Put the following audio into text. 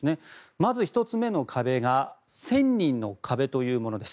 まず１つ目の壁が１０００人の壁というものです。